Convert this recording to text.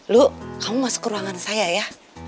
lu kamu masuk ke ruangan saya ya